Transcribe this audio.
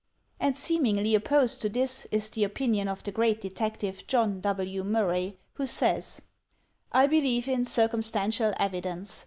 And seemingly opposed to this, is the opinion of the great detective John W. Murray, who says: "I believe in circumstantial evidence.